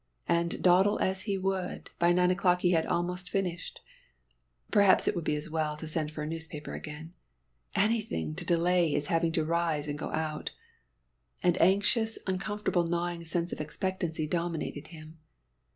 And dawdle as he would, by nine o'clock he had almost finished. Perhaps it would be as well to send for a newspaper again. Anything to delay his having to rise and go out. An anxious, uncomfortable gnawing sense of expectancy dominated him.